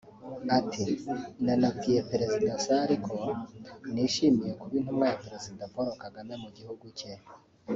Ati "Nanabwiye Perezida Sall ko nishimiye kuba intumwa ya Perezida Paul Kagame mu gihugu cye